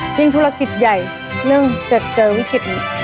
ธุรกิจใหญ่เรื่องจะเจอวิกฤตนี้